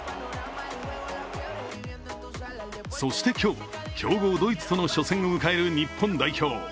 そして今日、強豪・ドイツとの初戦を迎える日本代表。